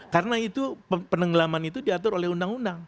karena itu penenggelaman itu diatur oleh undang undang